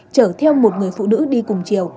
chở theo một người phụ nữ đi cùng chiều